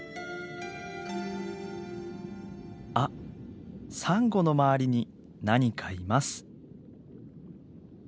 あっサンゴの周りに何かいます。